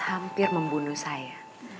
hampir membunuh saya